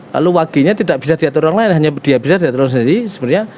lalu wage nya tidak bisa diatur orang lain hanya dia bisa diatur sendiri